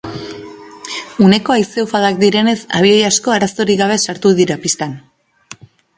Uneko haize-ufadak direnez, abioi asko arazorik gabe sartu dira pistan.